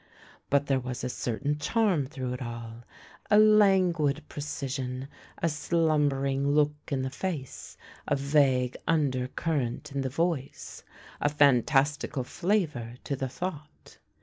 But there was a certain charm through it all — a languid precision, a slumbering look in the face, a vague undercurrent in the voice, a fantastical fiavour to the thought.